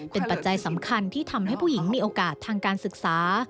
เป็นปัจจัยสำคัญที่ทำให้ผู้หญิงมีโอกาสทางการศึกษา